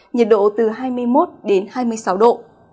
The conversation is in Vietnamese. nhiệt độ từ hai mươi một đến hai mươi sáu độ